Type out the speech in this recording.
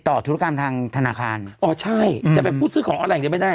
ทุรกรรมทางธนาคารอ๋อใช่อืมแต่ไปพูดซื้อของอ๋อแหล่งจะไม่ได้